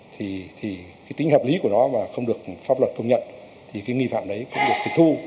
thì tính hợp lý của nó mà không được pháp luật công nhận thì cái nghi phạm đấy cũng được thủy thu